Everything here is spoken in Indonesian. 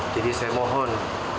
jadi saya mohon